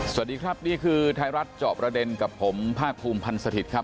สวัสดีครับนี่คือไทยรัฐเจาะประเด็นกับผมภาคภูมิพันธ์สถิตย์ครับ